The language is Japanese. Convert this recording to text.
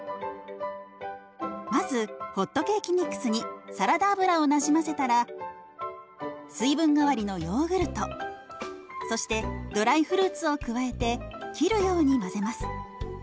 まずホットケーキミックスにサラダ油をなじませたら水分代わりのヨーグルトそしてドライフルーツを加えて切るように混ぜます。